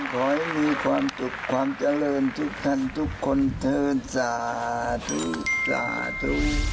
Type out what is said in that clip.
ขอให้มีความสุขความเจริญทุกท่านทุกคนเทินสาธุสาธุ